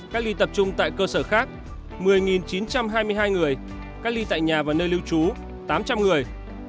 cách ly tập trung tại cơ sở khác một mươi chín trăm hai mươi hai người cách ly tại nhà và nơi lưu trú tám trăm linh người